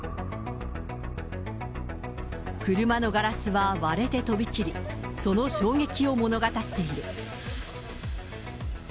車のガラスは割れて飛び散り、その衝撃を物語っている。